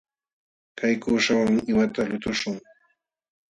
Kay kuuśhawan qiwata lutuśhun.